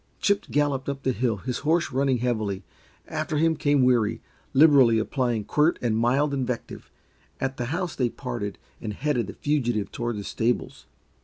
Chip galloped up the hill, his horse running heavily. After him came Weary, liberally applying quirt and mild invective. At the house they parted and headed the fugitive toward the stables.